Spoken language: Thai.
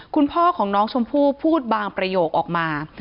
คุณพ่อของน้องชมพู่พูดบางประโยคออกมา